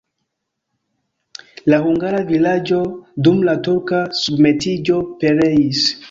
La hungara vilaĝo dum la turka submetiĝo pereis.